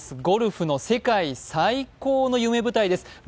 ゴルフの世界最高の夢舞台です。